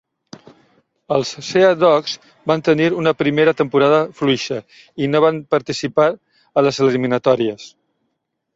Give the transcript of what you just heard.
Els Sea Dogs van tenir una primera temporada fluixa i no van participar a les eliminatòries.